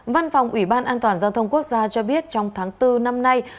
văn phòng ủy ban an toàn giao thông quốc gia cho biết trong tháng bốn năm nay